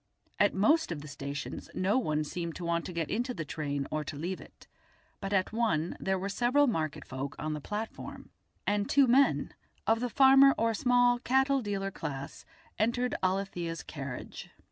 At most of the stations no one seemed to want to get into the train or to leave it, but at one there were several market folk on the platform, and two men, of the farmer or small cattle dealer class, entered Alethia's carriage.